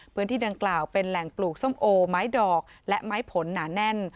พื้นที่ดังกล่าวเป็นแหล่งปลูกส้มโอไม้ดอกและไม้ผลหนาแน่น